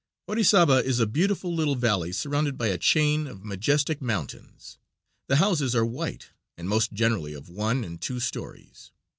Orizaba is a beautiful little valley surrounded by a chain of majestic mountains. The houses are white and most generally of one and two stories.